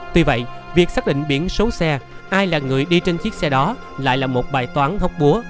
tuy vậy việc xác định biển số xe ai là người đi trên chiếc xe đó lại là một bài toán hóc búa